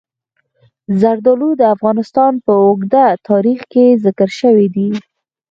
زردالو د افغانستان په اوږده تاریخ کې ذکر شوی دی.